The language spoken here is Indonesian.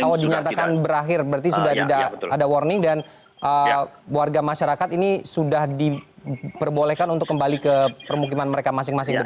kalau dinyatakan berakhir berarti sudah tidak ada warning dan warga masyarakat ini sudah diperbolehkan untuk kembali ke permukiman mereka masing masing